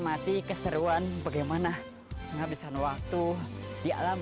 mati keseruan bagaimana menghabiskan waktu di alam